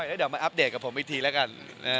โอ้ยยยยตอนนี้พูดเจ้าละว่าไม่รีบรึละครับ